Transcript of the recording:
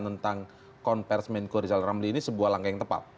tentang konversi menko rizal ramli ini sebuah langkah yang tepat